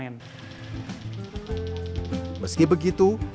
meski begitu di tengah keramaian dan kesibukan kawasan tiongkok